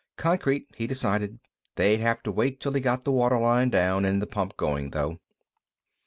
Concrete, he decided; they'd have to wait till he got the water line down and the pump going, though.